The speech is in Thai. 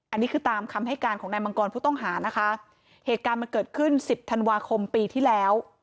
อันนี้คือตามคำให้การของนายมังกรผู้ต้องหานะคะเหตุการณ์มันเกิดขึ้นสิบธันวาคมปีที่แล้ว